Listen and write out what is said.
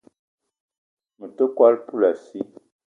Me te kwal poulassi